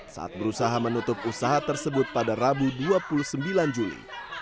saat berusaha menutup usaha tersebut pada rabu dua puluh sembilan juli